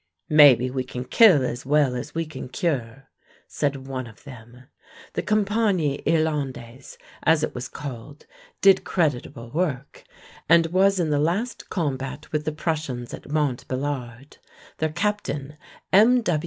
"Maybe we can kill as well as we can cure," said one of them. The Compagnie irlandaise, as it was called, did creditable work, and was in the last combat with the Prussians at Montbellard. Their captain, M.